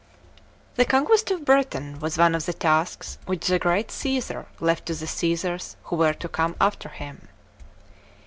THE conquest of Britain was one of the tasks which the great Csesar left to the Csesars who were to come after him.